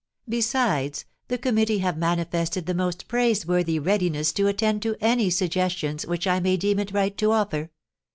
Besides, the committee have manifested the most praiseworthy readiness to attend to any suggestions which I may deem it right to offer.